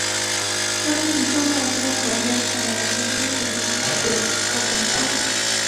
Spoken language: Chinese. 该专辑收录了十六首叶蒨文曾经演绎的电视剧或电影歌曲。